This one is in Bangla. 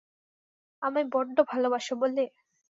আমায় বড্ড ভালোবাসো বলে?